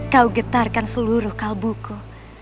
kau getarkan seluruh kalbuku